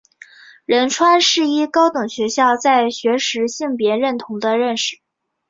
仁川世一高等学校在学时性别认同的认识。